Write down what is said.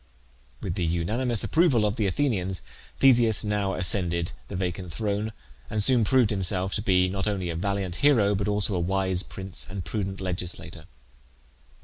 With the unanimous approval of the Athenians, Theseus now ascended the vacant throne, and soon proved himself to be not only a valiant hero but also a wise prince and prudent legislator.